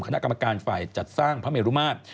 คณะกรรมการฝ่ายจัดสร้างพระเมรุมาตร